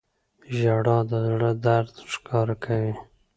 • ژړا د زړه درد ښکاره کوي.